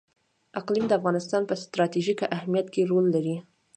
اقلیم د افغانستان په ستراتیژیک اهمیت کې رول لري.